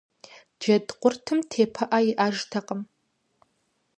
Джэдкъуртым тепыӀэ иӀэжтэкъым.